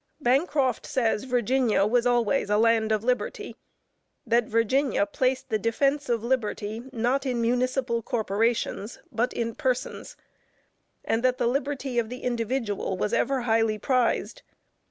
Bancroft says Virginia was always a land of liberty; that Virginia placed the defense of liberty not in municipal corporations, but in persons, and that the liberty of the individual was ever highly prized.